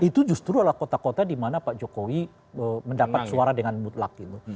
itu justru adalah kota kota di mana pak jokowi mendapat suara dengan mutlak gitu